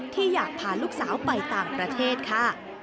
ที่อยากพาลูกสาวไปต่างประเทศค่ะ